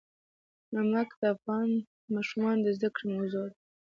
نمک د افغان ماشومانو د زده کړې موضوع ده.